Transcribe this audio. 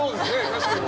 確かに。